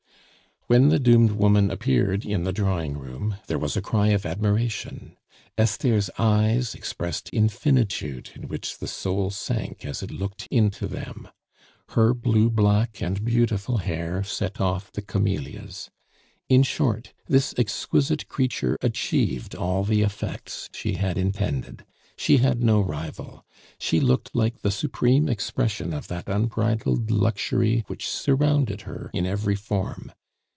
When the doomed woman appeared in the drawing room, there was a cry of admiration. Esther's eyes expressed infinitude in which the soul sank as it looked into them. Her blue black and beautiful hair set off the camellias. In short, this exquisite creature achieved all the effects she had intended. She had no rival. She looked like the supreme expression of that unbridled luxury which surrounded her in every form.